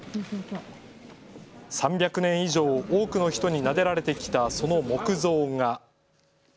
３００年以上多くの人になでられてきたその木像が。